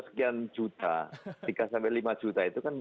sekian juta tiga sampai lima juta itu kan